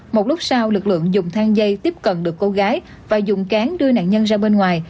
một lúc sau lực lượng dùng thang dây tiếp cận được cô gái và dùng kéo đưa nạn nhân ra bên ngoài